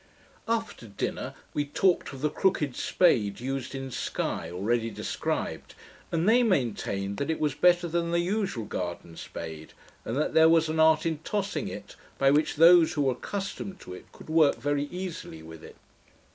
After dinner, we talked of the crooked spade used in Sky, already described, and they maintained that it was better than the usual garden spade, and that there was an art in tossing it, by which those who were accustomed to it could work very easily with it.